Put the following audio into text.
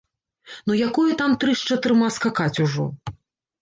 Ну якое там тры з чатырма скакаць ужо.